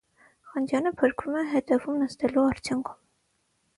Խանջյանը փրկվում է հետևում նստելու արդյունքում։